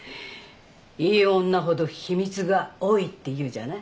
いい女ほど秘密が多いっていうじゃない。